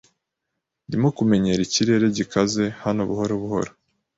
Ndimo kumenyera ikirere gikaze hano buhoro buhoro.